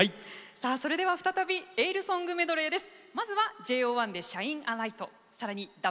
それでは再びエールソングメドレーです。